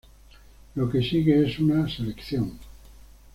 Lo que sigue es una selección.